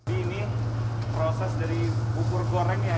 ini proses dari bubur goreng ya